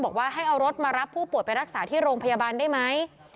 บอกว่าให้เอารถมารับผู้ป่วยไปรักษาที่โรงพยาบาลได้ไหม